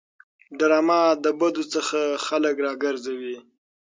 ډرامه د بدو څخه خلک راګرځوي